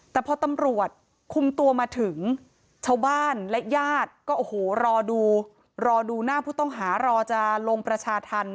แต่พอตำรวจคุมตัวมาถึงชาวบ้านและญาติก็โอ้โหรอดูรอดูหน้าผู้ต้องหารอจะลงประชาธรรม